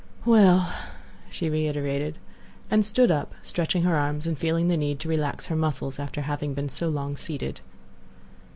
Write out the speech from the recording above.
"Well," she reiterated, and stood up, stretching her arms, and feeling the need to relax her muscles after having been so long seated.